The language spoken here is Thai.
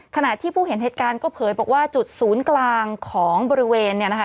ขณะที่ผู้เห็นเหตุการณ์ก็เผยบอกว่าจุดศูนย์กลางของบริเวณเนี่ยนะคะ